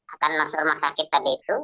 akan masuk rumah sakit tadi itu